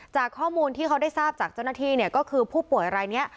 จากข้อมูลที่เขาได้ทราบจากเจ้าหน้าที่เนี่ยก็คือผู้ป่วยรายนี้